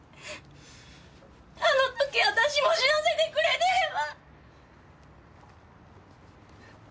あの時私も死なせてくれてれば。